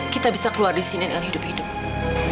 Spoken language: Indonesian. kita bisa keluar disini dengan hidup hidup